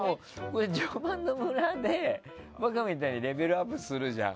序盤の村でバカみたいにレベルアップするじゃん。